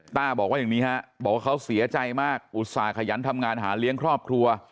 ต้าบอกว่าอย่างนี้ฮะบอกว่าเขาเสียใจมากอุตส่าหยันทำงานหาเลี้ยงครอบครัว